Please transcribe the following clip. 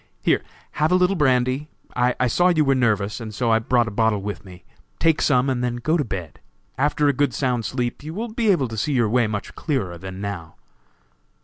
Here, have a little brandy; I saw you were nervous, and so brought a bottle with me; take some, and then go to bed. After a good sound sleep you will be able to see your way much clearer than now."